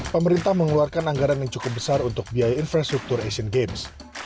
pemerintah mengeluarkan anggaran yang cukup besar untuk biaya infrastruktur asian games